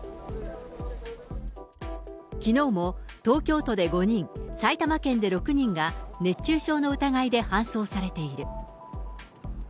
きのうも東京都で５人、埼玉県で６人が、熱中症の疑いで搬送されている。